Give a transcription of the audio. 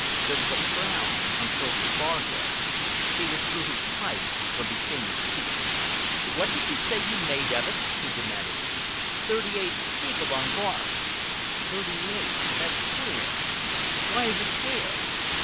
There was a frown on Furley's forehead. He withdrew his pipe from between his teeth. "What did you say you made of it?" he demanded. "'Thirty eight steeple on barn.'" "Thirty eight! That's queer!" "Why is it queer?"